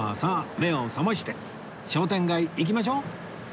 目を覚まして商店街行きましょう